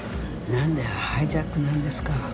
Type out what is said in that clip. なんでハイジャックなんですか？